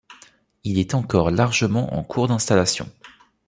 Il est encore largement en cours d'installation.